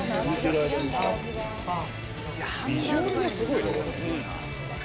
ビジュアルがすごいな。